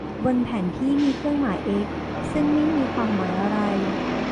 บนแผนที่มีเครื่องหมาย เอ๊กซ์ ซึ่งไม่มีความหมายอะไร